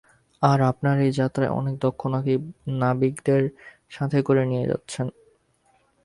আর আপনার এই যাত্রায় অনেক দক্ষ নাবিকদের সাথে করে নিয়ে যাচ্ছেন!